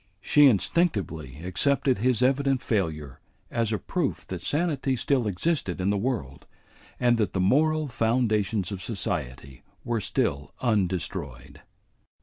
She instinctively accepted his evident failure as a proof that sanity still existed in the world, and that the moral foundations of society were still undestroyed.